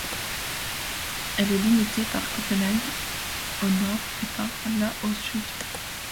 Elle est limitée par Copenhague au nord et par la au sud.